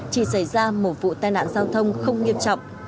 chỉ xảy ra một vụ tai nạn giao thông không nghiêm trọng